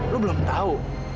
lo belum tau